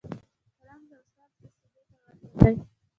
قلم د استاد وسلې ته ورته دی.